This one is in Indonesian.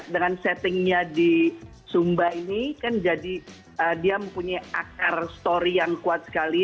dengan settingnya di sumba ini kan jadi dia mempunyai akar story yang kuat sekali